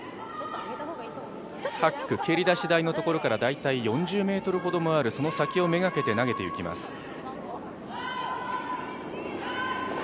ハック、蹴り出し台のところから４０ｍほどもあるその先を目がけて投げていきます。